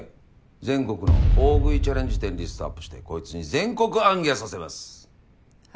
全国の大食いチャレンジ店リストアップしてこいつに全国行脚させます。